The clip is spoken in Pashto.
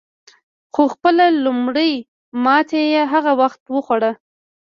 خو خپله لومړۍ ماته یې هغه وخت وخوړه.